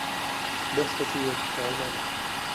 Boshqacha yo`l tutolmadim